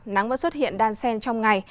nắng vẫn xuất hiện đan sen trong ngày